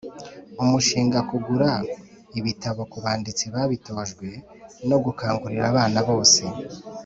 umushingakugura ibitabo ku banditsi babitojwe, no gukangurira abana bose